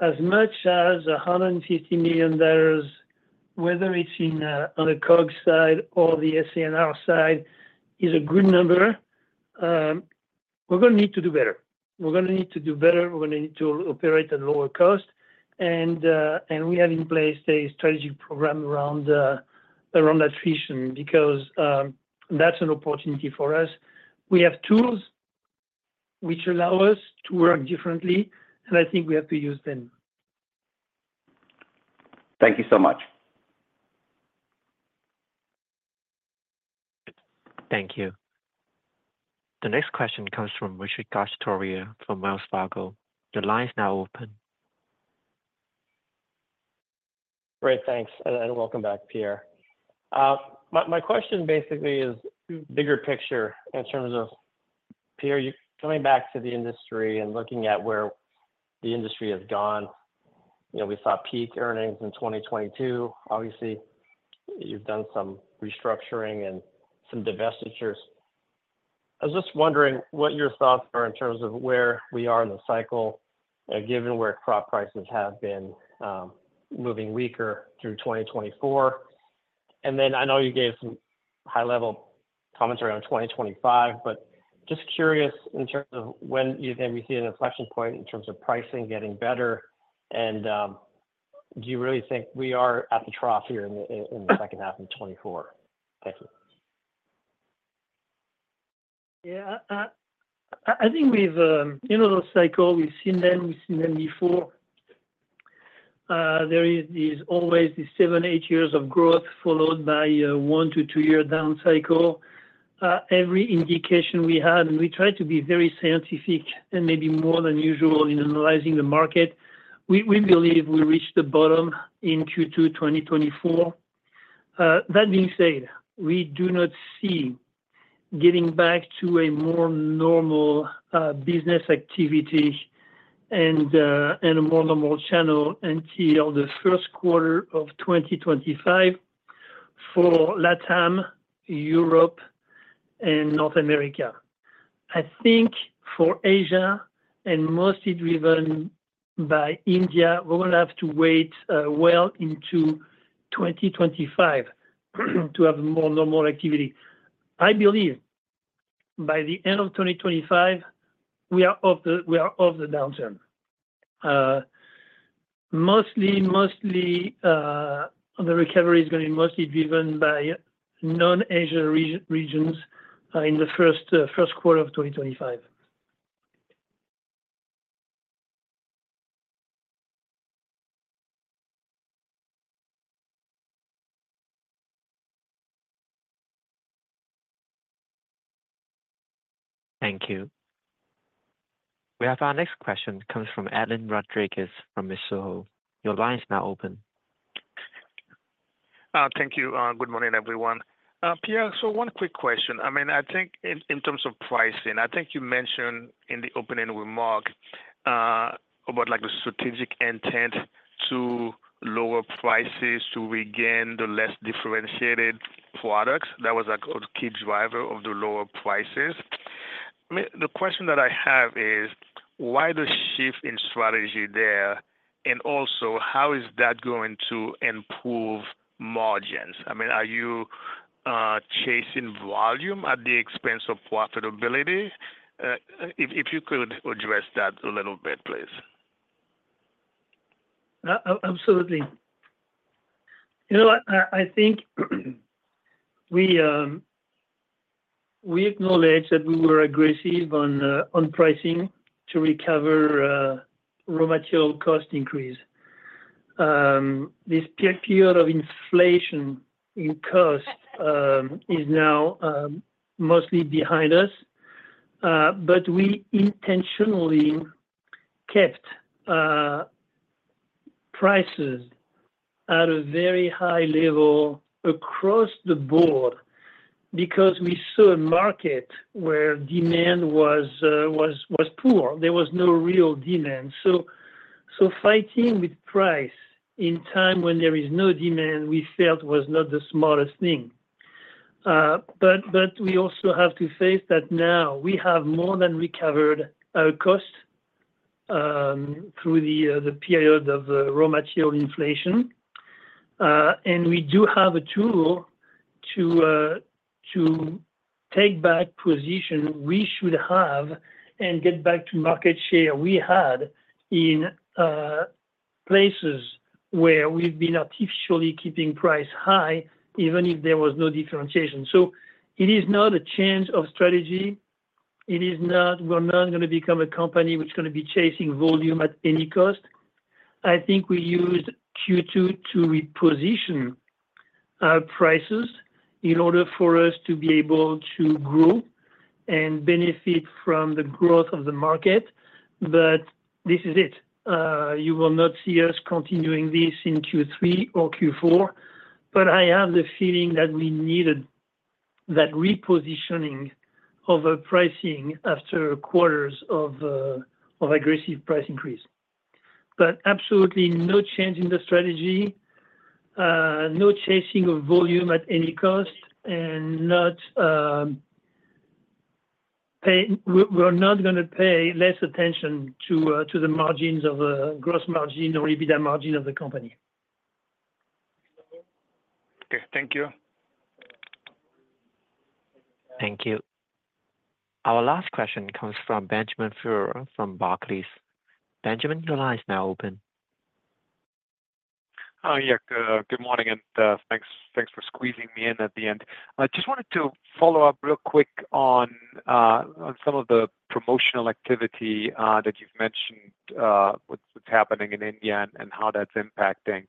as much as $150 million, whether it's in on the COGS side or the SG&R side, is a good number, we're gonna need to do better. We're gonna need to do better, we're gonna need to operate at lower cost, and and we have in place a strategic program around around that efficient because, that's an opportunity for us. We have tools which allow us to work differently, and I think we have to use them. Thank you so much. Thank you. The next question comes from Richard Garchitorena from Wells Fargo. Your line is now open. Great, thanks, and welcome back, Pierre. My question basically is bigger picture in terms of Pierre, you coming back to the industry and looking at where the industry has gone. You know, we saw peak earnings in 2022. Obviously, you've done some restructuring and some divestitures. I was just wondering what your thoughts are in terms of where we are in the cycle, given where crop prices have been moving weaker through 2024. And then I know you gave some high-level commentary on 2025, but just curious in terms of when you think we see an inflection point in terms of pricing getting better, and do you really think we are at the trough here in the second half of 2024? Thank you. Yeah, I think we've, you know, the cycle, we've seen them, we've seen them before. There is always this 7-8 years of growth, followed by a 1-2 year down cycle. Every indication we had, and we tried to be very scientific and maybe more than usual in analyzing the market, we believe we reached the bottom in Q2 2024. That being said, we do not see getting back to a more normal, business activity and a more normal channel until the first quarter of 2025 for LATAM, Europe, and North America. I think for Asia, and mostly driven by India, we're gonna have to wait, well into 2025 to have a more normal activity. I believe by the end of 2025, we are off the, we are off the downturn. Mostly, the recovery is gonna be mostly driven by non-Asia regions in the first quarter of 2025. Thank you. We have our next question comes from Edlain Rodriguez from Mizuho. Your line is now open. Thank you, good morning, everyone. Pierre, so one quick question. I mean, I think in terms of pricing, I think you mentioned in the opening remark, about like the strategic intent to lower prices to regain the less differentiated products. That was a key driver of the lower prices. I mean, the question that I have is, why the shift in strategy there? And also, how is that going to improve margins? I mean, are you chasing volume at the expense of profitability? If you could address that a little bit, please. Absolutely. You know what? I think we acknowledge that we were aggressive on pricing to recover raw material cost increase. This peak period of inflation in cost is now mostly behind us, but we intentionally kept prices at a very high level across the board because we saw a market where demand was poor. There was no real demand. So fighting with price in time when there is no demand, we felt was not the smartest thing. But we also have to face that now we have more than recovered our costs through the period of raw material inflation. And we do have a tool to take back position we should have and get back to market share we had in places where we've been artificially keeping price high, even if there was no differentiation. So it is not a change of strategy. It is not. We're not gonna become a company which is gonna be chasing volume at any cost. I think we used Q2 to reposition prices in order for us to be able to grow and benefit from the growth of the market. But this is it. You will not see us continuing this in Q3 or Q4, but I have the feeling that we needed that repositioning of a pricing after quarters of aggressive price increase. But absolutely no change in the strategy, no chasing of volume at any cost, and we're not gonna pay less attention to the margins of gross margin or EBITDA margin of the company. Okay, thank you. Thank you. Our last question comes from Benjamin Theurer from Barclays. Benjamin, your line is now open. Yeah, good morning, and thanks, thanks for squeezing me in at the end. I just wanted to follow up real quick on some of the promotional activity that you've mentioned, what's happening in India and how that's impacting.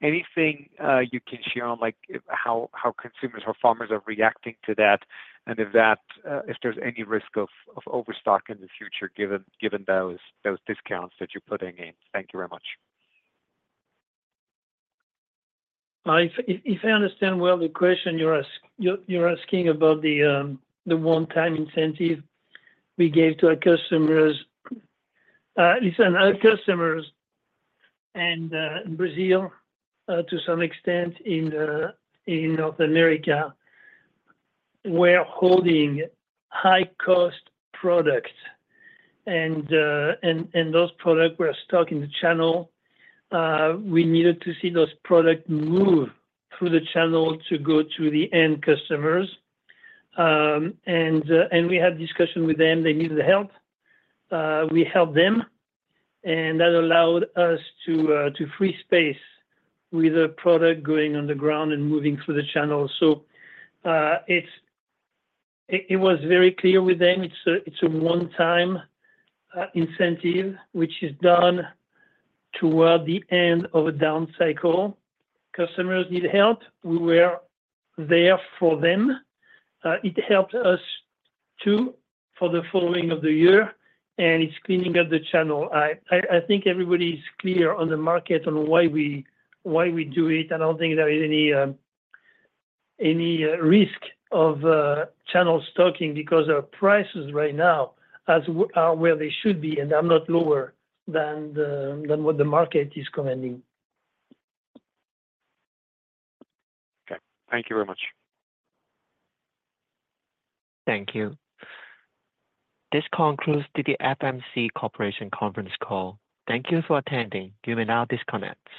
Anything you can share on, like, how consumers or farmers are reacting to that, and if there's any risk of overstock in the future, given those discounts that you're putting in? Thank you very much. If I understand well the question you're asking about the one-time incentive we gave to our customers. Listen, our customers in Brazil, to some extent in North America, were holding high-cost products, and those products were stuck in the channel. We needed to see those products move through the channel to go to the end customers. And we had discussion with them. They needed help. We helped them, and that allowed us to free space with a product going on the ground and moving through the channel. So, it was very clear with them, it's a one-time incentive, which is done toward the end of a down cycle. Customers need help, we were there for them. It helped us too, for the following of the year, and it's cleaning up the channel. I think everybody's clear on the market on why we do it. I don't think there is any risk of channel stocking because our prices right now are where they should be, and they're not lower than what the market is commanding. Okay. Thank you very much. Thank you. This concludes the FMC Corporation conference call. Thank you for attending. You may now disconnect.